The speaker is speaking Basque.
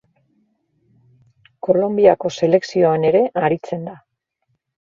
Kolonbiako selekzioan ere aritzen da.